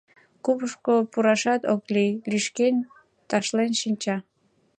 Купышко пурашат ок лий, лӱшкен, ташлен шинча.